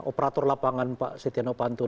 operator lapangan pak setia novanto